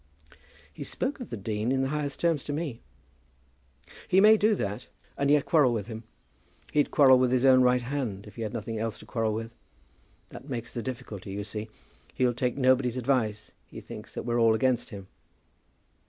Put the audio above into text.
"He spoke of the dean in the highest terms to me." "He may do that, and yet quarrel with him. He'd quarrel with his own right hand, if he had nothing else to quarrel with. That makes the difficulty, you see. He'll take nobody's advice. He thinks that we're all against him."